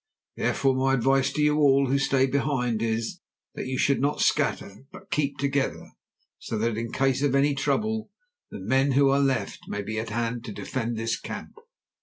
Therefore my advice to all you who stay behind is that you should not scatter, but keep together, so that in case of any trouble the men who are left may be at hand to defend this camp.